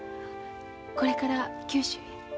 これから九州へ？